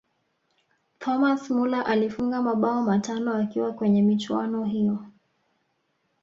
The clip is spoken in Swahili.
thomas muller alifunga mabao matano akiwa kwenye michuano hiyo